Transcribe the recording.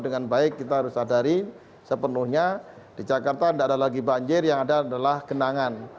dengan baik kita harus sadari sepenuhnya di jakarta tidak ada lagi banjir yang ada adalah genangan